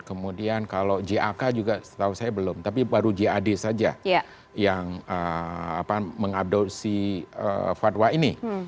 kemudian kalau jak juga setahu saya belum tapi baru jad saja yang mengadopsi fatwa ini